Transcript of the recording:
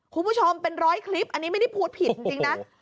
คุณผู้ชมเป็นร้อยคลิปอันนี้ไม่ได้พูดผิดจริงนะ